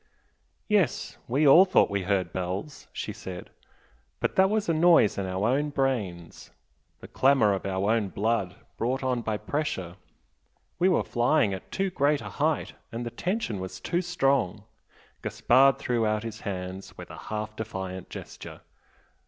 "Yes we all thought we heard bells" she said "But that was a noise in our own brains the clamour of our own blood brought on by pressure we were flying at too great a height and the tension was too strong " Gaspard threw out his hands with a half defiant gesture.